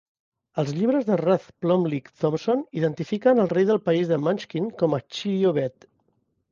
Els llibres de Ruth Plumly Thompson identifiquen el rei del país de Munchkin com a Cheeriobed.